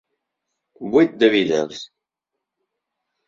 With the Beatles".